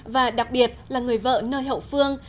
và đặc biệt là người vợ nơi hậu phương